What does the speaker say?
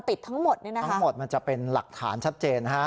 ทั้งหมดเนี่ยนะคะทั้งหมดมันจะเป็นหลักฐานชัดเจนนะฮะ